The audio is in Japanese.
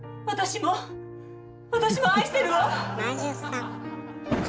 私も私も愛してるわ！